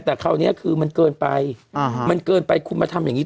แต่คราวนี้คือมันเกินไปมันเกินไปคุณมาทำอย่างนี้